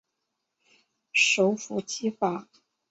首府基法。